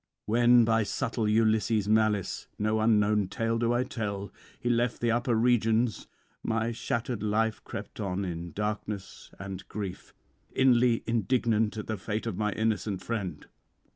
When by subtle Ulysses' malice (no unknown tale do I tell) [91 124]he left the upper regions, my shattered life crept on in darkness and grief, inly indignant at the fate of my innocent friend.